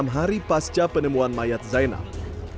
enam hari pasca penemuan mayat zainal